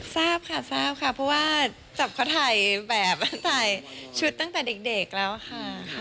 ทราบค่ะทราบค่ะเพราะว่าจับเขาถ่ายแบบถ่ายชุดตั้งแต่เด็กแล้วค่ะ